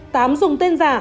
tám dùng tên giả